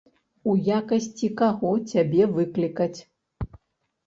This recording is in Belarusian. У якасці каго цябе выклікаць?